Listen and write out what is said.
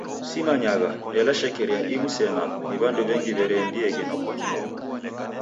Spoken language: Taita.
Simanyagha, ela shekeria imu sena ni w'andu w'engi w'ereendieghe noko kimonu.